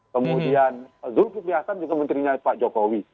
kemudian zulkifli hasan juga menterinya pak jokowi